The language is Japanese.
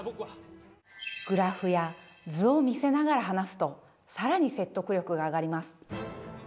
グラフや図を見せながら話すと更に説得力が上がります。